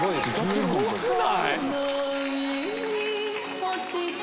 「すごくない？」